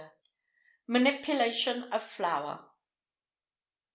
IV. MANIPULATION OF FLOUR.